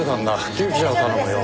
救急車を頼むよ。